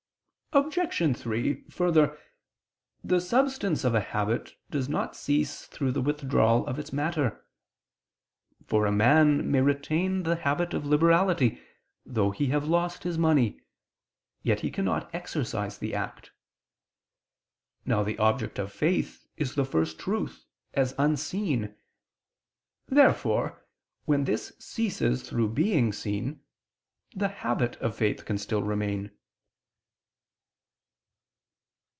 Obj. 3: Further, the substance of a habit does not cease through the withdrawal of its matter: for a man may retain the habit of liberality, though he have lost his money: yet he cannot exercise the act. Now the object of faith is the First Truth as unseen. Therefore when this ceases through being seen, the habit of faith can still remain.